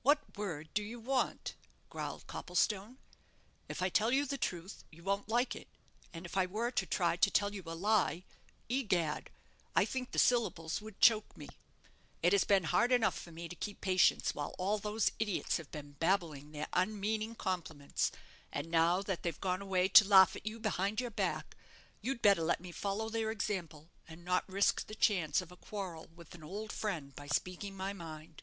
"What word do you want?" growled Copplestone. "If I tell you the truth, you won't like it; and if I were to try to tell you a lie, egad! I think the syllables would choke me. It has been hard enough for me to keep patience while all those idiots have been babbling their unmeaning compliments; and now that they've gone away to laugh at you behind your back, you'd better let me follow their example, and not risk the chance of a quarrel with an old friend by speaking my mind."